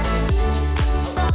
mari gue tekkan